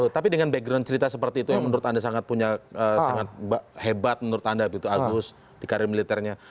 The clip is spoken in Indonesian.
tapi dengan background cerita seperti itu yang menurut anda sangat hebat menurut anda agus di karir militernya